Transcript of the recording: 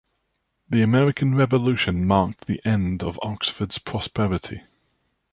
The American Revolution marked the end of Oxford's prosperity.